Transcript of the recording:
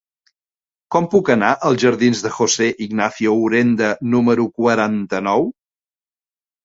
Com puc anar als jardins de José Ignacio Urenda número quaranta-nou?